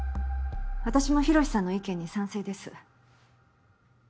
私も洋さんの意見に賛成です。